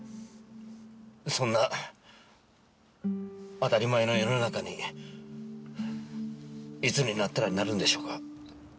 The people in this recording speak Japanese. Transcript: そんな当たり前な世の中にいつになったらなるんでしょうか。